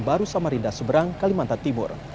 baru samarinda seberang kalimantan timur